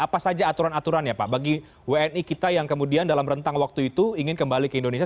apa saja aturan aturan ya pak bagi wni kita yang kemudian dalam rentang waktu itu ingin kembali ke indonesia